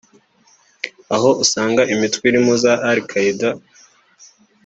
aho usanga imitwe irimo za Al Qaeda